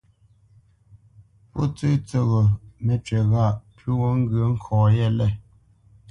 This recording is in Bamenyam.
Pó tsə̂ tsə́ghō, mə́cywǐ ghâʼ pǔ gho ŋgyə̌ nkɔ̌ yêlê.